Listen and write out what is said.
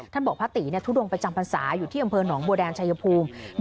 บอกพระตีทุดงประจำพรรษาอยู่ที่อำเภอหนองบัวแดงชายภูมิ